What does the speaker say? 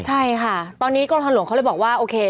ใช่ค่ะตอนนี้กรมทางหลวงเขาเลยบอกว่าโอเค